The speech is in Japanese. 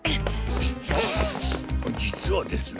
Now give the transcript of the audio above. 実はですな。